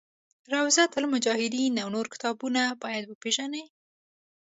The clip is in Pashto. روضة المجاهدین او نور کتابونه باید وپېژني.